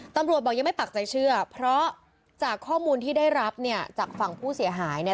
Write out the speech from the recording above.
บอกยังไม่ปักใจเชื่อเพราะจากข้อมูลที่ได้รับเนี่ยจากฝั่งผู้เสียหายเนี่ย